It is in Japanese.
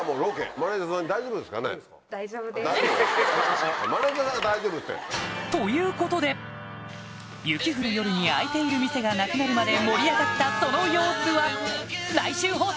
マネジャーさんが大丈夫って。ということで雪降る夜に開いている店がなくなるまで盛り上がったその様子は来週放送！